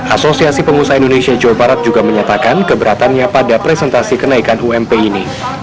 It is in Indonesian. asosiasi pengusaha indonesia jawa barat juga menyatakan keberatannya pada presentasi kenaikan ump ini